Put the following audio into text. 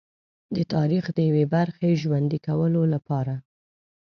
د تاریخ د یوې برخې ژوندي کولو لپاره.